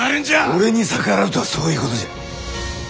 俺に逆らうとはそういうことじゃ。